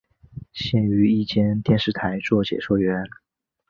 现于一间电视台做解说员。